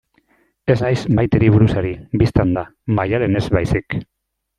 Ez naiz Maiteri buruz ari, bistan da, Maialenez baizik.